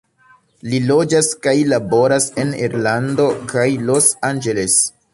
Li loĝas kaj laboras en Irlando kaj Los Angeles.